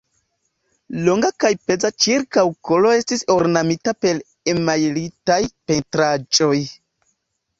Longa kaj peza ĉirkaŭkolo estis ornamita per emajlitaj pentraĵoj.